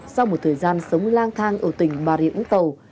sau một thời gian sống lang thang ở tỉnh bà riễng tàu